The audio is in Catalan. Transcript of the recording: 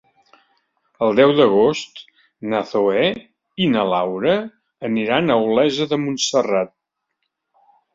El deu d'agost na Zoè i na Laura aniran a Olesa de Montserrat.